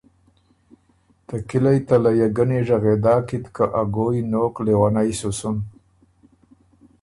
ته کِلئ ته لیه ګنی ژغېدا کی ت که ا ګویٛ نوک لېونئ سُو سُن۔